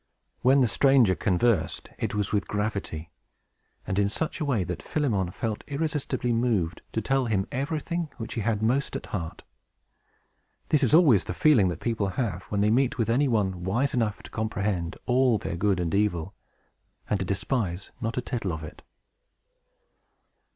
When the stranger conversed, it was with gravity, and in such a way that Philemon felt irresistibly moved to tell him everything which he had most at heart. This is always the feeling that people have, when they meet with any one wise enough to comprehend all their good and evil, and to despise not a tittle of it.